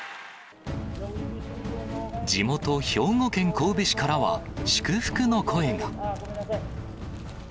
地元、兵庫県神戸市からは、祝福の声が。